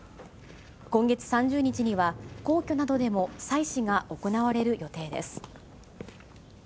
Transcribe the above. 今月３０日には、皇居などでも祭祀が行われる予定です。